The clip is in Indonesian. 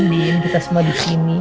rindu kita semua disini